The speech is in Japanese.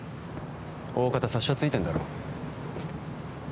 おおかた察しはついてんだろ？